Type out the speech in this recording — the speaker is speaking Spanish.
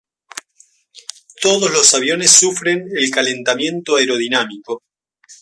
Todos los aviones sufren el calentamiento aerodinámico.